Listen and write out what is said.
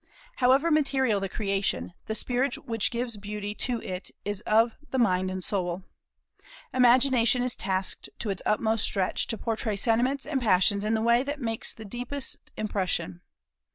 However material the creation, the spirit which gives beauty to it is of the mind and soul. Imagination is tasked to its utmost stretch to portray sentiments and passions in the way that makes the deepest impression.